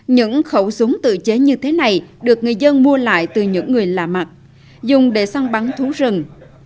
những khẩu súng tự chế như thế này được người dân mua lại từ những người lạ mặt dùng để săn bắn thú rừng